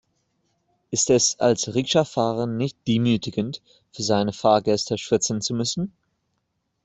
Ist es als Rikscha-Fahrer nicht demütigend, für seine Fahrgäste schwitzen zu müssen?